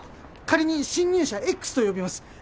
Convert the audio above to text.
仮に侵入者Ｘと呼びます。